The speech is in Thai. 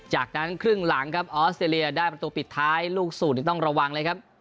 จากนั้นครึ่งหลังครับออสเตรเลียได้ประตูปิดท้ายลูกศูนย์ต้องระวังเลยครับ